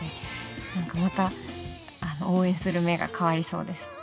何かまた応援する目が変わりそうです。